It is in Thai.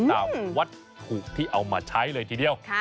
ตามวัตถุที่เอามาใช้เลยทีเดียว